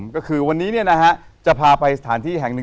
ก็คือวันนี้จะพาไปสถานที่แห่งหนึ่ง